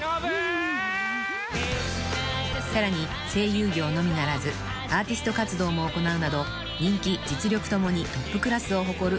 ［さらに声優業のみならずアーティスト活動も行うなど人気実力共にトップクラスを誇る声優です］